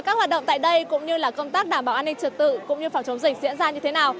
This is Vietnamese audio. các hoạt động tại đây cũng như là công tác đảm bảo an ninh trật tự cũng như phòng chống dịch diễn ra như thế nào